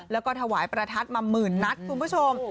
แล้วก็ถวายประทัดมาหมื่นนัดคุณผู้ชม